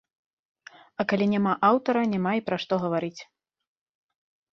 А калі няма аўтара, няма і пра што гаварыць.